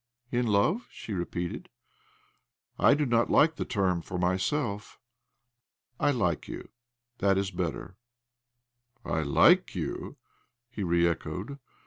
"In love?" she repeated. "I do not like the term for myself. I like you : that is better." "' I like you '?" he re echoed.